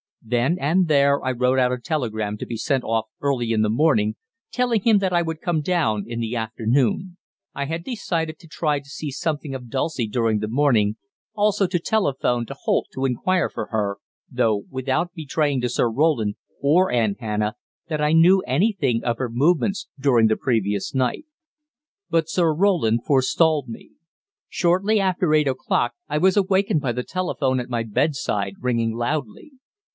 Then and there I wrote out a telegram to be sent off early in the morning, telling him that I would come down in the afternoon; I had decided to try to see something of Dulcie during the morning, also to telephone to Holt to inquire for her, though without betraying to Sir Roland or Aunt Hannah that I knew anything of her movements during the previous night. But Sir Roland forestalled me. Shortly after eight o'clock I was awakened by the telephone at my bedside ringing loudly.